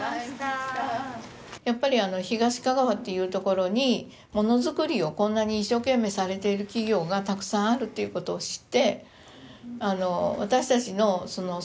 やっぱり東かがわっていう所にものづくりをこんなに一生懸命されている企業がたくさんあるということを知って。